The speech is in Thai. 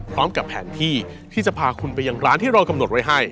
พร้อมกับแผนที่ที่จะพาคุณไปยังร้านที่เรากำหนดไว้ให้